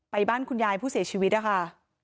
บ้านคุณยายผู้เสียชีวิตนะคะ